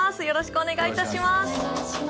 よろしくお願いします